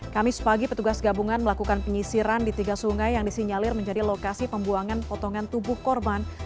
kamis pagi petugas gabungan melakukan penyisiran di tiga sungai yang disinyalir menjadi lokasi pembuangan potongan tubuh korban